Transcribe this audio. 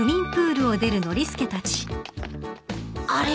あれ？